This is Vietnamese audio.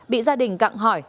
bị gia đình gặng hỏi